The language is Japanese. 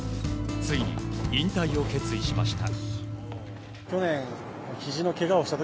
ついに引退を決意しました。